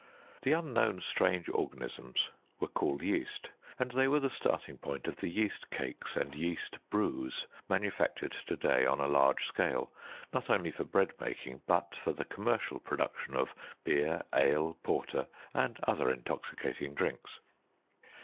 The unknown strange organisms were called yeast, and they were the starting point of the yeast cakes and yeast brews manufactured to day on a large scale, not only for bread making but for the commercial production of beer, ale, porter, and other intoxicating drinks.